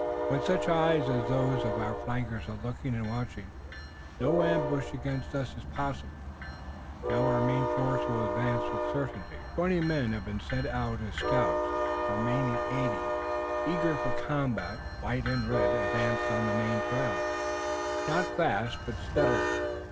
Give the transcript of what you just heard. "When such eyes as those of our flankers are looking and watching, no ambush against us is possible. Now our main force will advance with certainty." Twenty men had been sent out as scouts and the remaining eighty, eager for combat, white and red, advanced on the main trail, not fast but steadily.